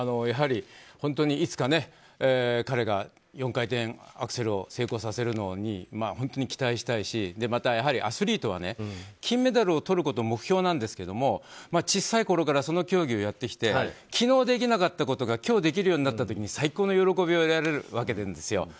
本当にいつか彼が４回転アクセルを成功させるのに期待したいしやはりアスリートは金メダルをとることが目標なんですが、小さいころからその競技をやってきて昨日できなかったことが今日できるようになった時に最高の喜びを得られるわけなんですよ。